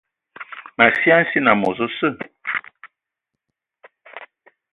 Ma sye a nsina amos osə.